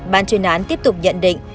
ban chuyên án tiếp tục nhận định